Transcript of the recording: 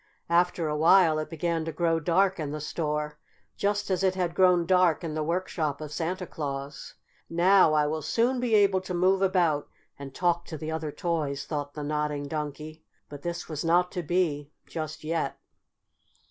After a while it began to grow dark in the store, just as it had grown dark in the workshop of Santa Claus. "Now I will soon be able to move about and talk to the other toys," thought the Nodding Donkey. But this was not to be just yet.